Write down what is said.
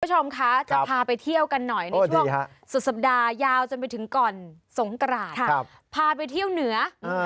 คุณผู้ชมคะจะพาไปเที่ยวกันหน่อยในช่วงสุดสัปดาห์ยาวจนไปถึงก่อนสงกราศพาไปเที่ยวเหนือ